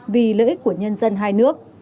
vì lợi ích của nhân dân hai nước